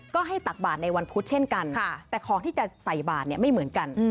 ก็ให้ตักบาทในวันพุธเช่นกันแต่ของที่จะใส่บาทเนี่ยไม่เหมือนกัน